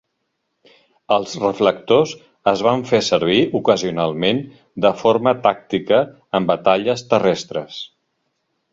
Els reflectors es van fer servir ocasionalment de forma tàctica en batalles terrestres.